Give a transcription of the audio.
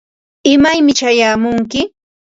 ¿imaymi chayamunki?